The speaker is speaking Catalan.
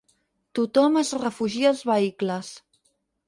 Tothom es refugia als vehicles.